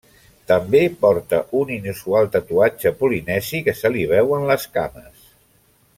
També porta un inusual tatuatge polinesi que se li veu en les cames.